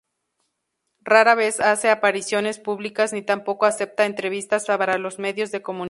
Rara vez hace apariciones públicas ni tampoco acepta entrevistas para los medios de comunicación.